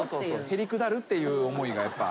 へりくだるっていう思いが。